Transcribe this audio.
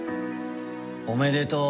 おめでとう。